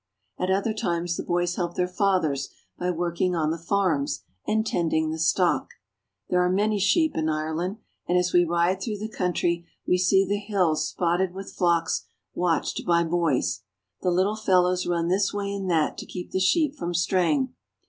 At other times the boys help their fathers by working on the farms, and tending the stock. There are many sheep in Ireland, and as we ride through the country we see the hills spotted with flocks watched by boys. The little fel lows run this way and that to keep the sheep from straying.